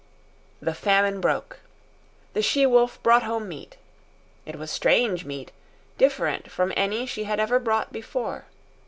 The famine broke. The she wolf brought home meat. It was strange meat, different from any she had ever brought before.